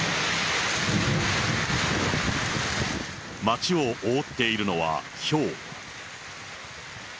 街を覆っているのはひょう。